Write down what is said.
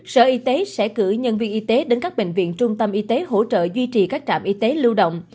sở y tế sẽ cử nhân viên y tế đến các bệnh viện trung tâm y tế hỗ trợ duy trì các trạm y tế lưu động